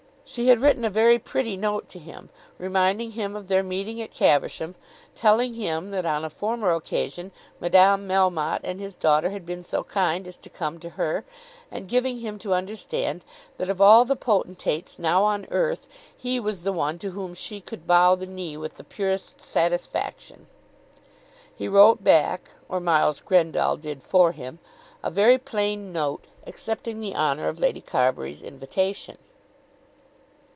She had written a very pretty note to him, reminding him of their meeting at Caversham, telling him that on a former occasion Madame Melmotte and his daughter had been so kind as to come to her, and giving him to understand that of all the potentates now on earth he was the one to whom she could bow the knee with the purest satisfaction. He wrote back, or Miles Grendall did for him, a very plain note, accepting the honour of Lady Carbury's invitation.